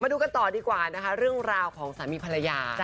ดูกันต่อดีกว่านะคะเรื่องราวของสามีภรรยา